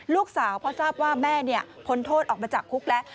ลูกสาวพอทราบว่าแม่พ้นโทษออกมาจากคุกแล้ว